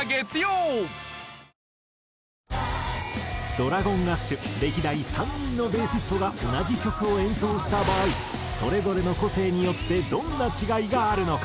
ＤｒａｇｏｎＡｓｈ歴代３人のベーシストが同じ曲を演奏した場合それぞれの個性によってどんな違いがあるのか？